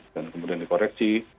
dan kemudian dikoreksi